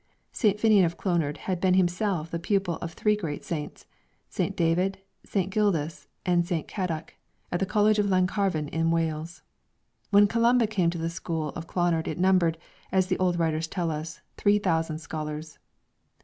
St. Finnian of Clonard had been himself the pupil of three great saints, St. David, St. Gildas, and St. Cadoc, at the College of Llancarvan in Wales. When Columba came to the school of Clonard it numbered, as the old writers tell us, three thousand scholars.